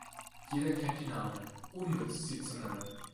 Jeder kennt die Namen, unnütz, sie zu nennen.